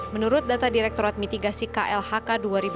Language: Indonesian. menurut data direkturat mitigasi klhk dua ribu dua puluh